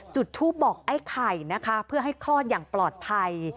จุดทูปบอกไอ้ไข่นะคะเพื่อให้คลอดอย่างปลอดภัย